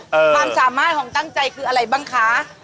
ความสามารถของตั้งใจคืออะไรบ้างคะ